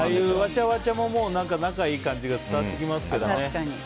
ちゃわちゃも仲いい感じが伝わってきますけどね。